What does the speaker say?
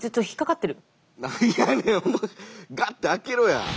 ガッて開けろや！